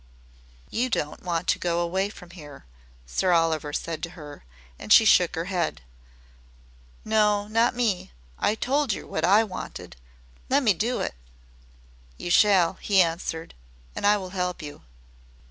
"You don't want to go away from here," Sir Oliver said to her, and she shook her head. "No, not me. I told yer wot I wanted. Lemme do it." "You shall," he answered, "and I will help you."